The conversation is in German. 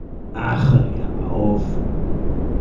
Ach, hör mir auf!